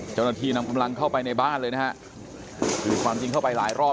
เจ้าหน้าที่นำกำลังเข้าไปในบ้านเลยนะฮะคือความจริงเข้าไปหลายรอบ